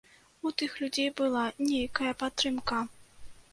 У тых людзей была нейкая падтрымка.